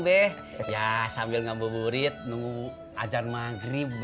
deh ya sambil ngambil burit nunggu ajar maghrib